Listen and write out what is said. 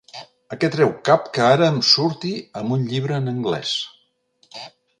A què treu cap que ara em surti amb un llibre en anglès?